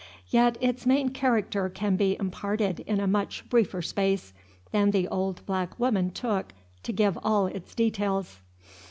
Yet its main character can be imparted in a much briefer space than the old black woman took to give all its details.